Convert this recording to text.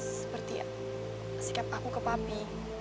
seperti sikap aku ke pami